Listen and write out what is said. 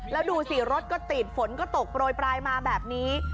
แล้วดูสิรถก็ติดฝนก็ตกโปรยปลายมาแบบนี้